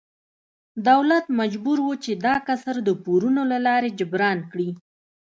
دولت مجبور و چې دا کسر د پورونو له لارې جبران کړي.